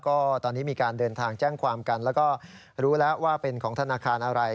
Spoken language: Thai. ก็ตอนนี้มีการเดินทางแจ้งความกันแล้วก็รู้แล้วว่าเป็นของธนาคารอะไร